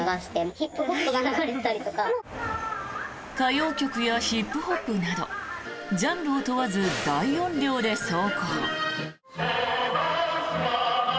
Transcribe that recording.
歌謡曲やヒップホップなどジャンルを問わず大音量で走行。